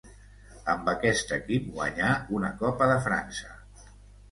Amb aquest equip guanya una Copa de França.